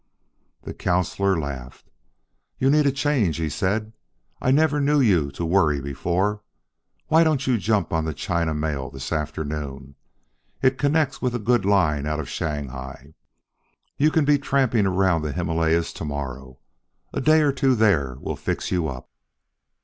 The counsellor laughed. "You need a change," he said; "I never knew you to worry before. Why don't you jump on the China Mail this afternoon; it connects with a good line out of Shanghai. You can be tramping around the Himalayas to morrow. A day or two there will fix you up."